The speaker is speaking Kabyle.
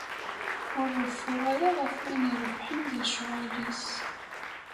Ur reffu ara ɣef win irebbḥen di lecɣal-is.